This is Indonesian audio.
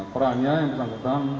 perannya yang bersangkutan